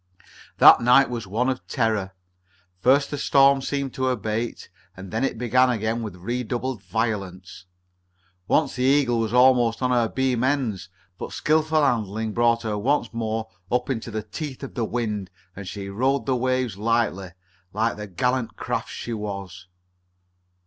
That night was one of terror. First the storm seemed to abate, and then it began again with redoubled violence. Once the Eagle was almost on her beam ends, but skilful handling brought her once more up into the teeth of the wind and she rode the waves lightly, like the gallant craft she was.